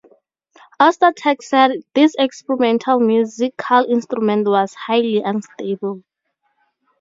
Ostertag said this experimental musical instrument was "highly unstable".